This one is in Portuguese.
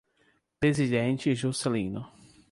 Presidente Juscelino